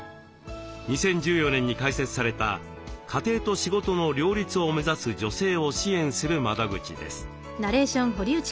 ２０１４年に開設された家庭と仕事の両立を目指す女性を支援する窓口です。